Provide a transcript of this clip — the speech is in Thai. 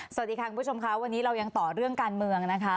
สวัสดีค่ะคุณผู้ชมค่ะวันนี้เรายังต่อเรื่องการเมืองนะคะ